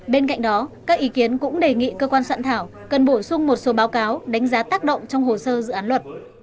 bên cạnh đó các ý kiến cũng đề nghị cơ quan soạn thảo cần bổ sung một số báo cáo đánh giá tác động trong hồ sơ dự án luật